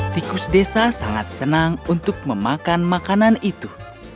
tikus desa sangat senang untuk memakan makanan itu